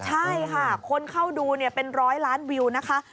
ใช่ค่ะคนเข้าดูเป็นร้อยล้านวิวนะคะ